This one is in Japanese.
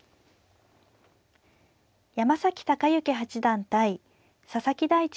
山崎隆之八段対佐々木大地